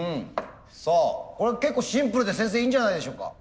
さあこれは結構シンプルで先生いいんじゃないでしょうか？